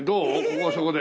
ここはそこで。